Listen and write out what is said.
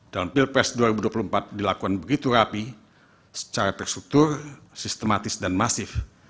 dalam pilpres dua ribu dua puluh empat dilakukan begitu rapi secara terstruktur sistematis dan masif